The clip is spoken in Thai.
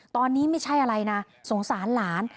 ตอนนี้ไม่ใช่อะไรนะสงสารหลาน